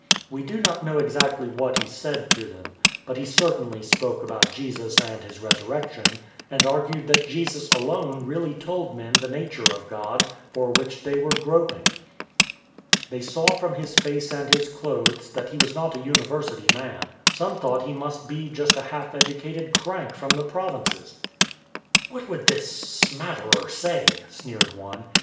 We do not know exactly what he said to them, but he certainly spoke about Jesus and His Resurrection, and argued that Jesus alone really told men the nature of God, for which they were groping. They saw from his face and his clothes that he was not a University man. Some thought he must be just a half educated crank from the provinces. " What would this ' smatterer ' say? " sneered one.